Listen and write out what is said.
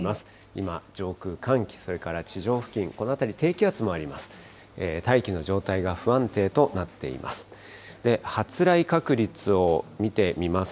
今、上空、寒気、それから地上付近、この辺り、低気圧もあります。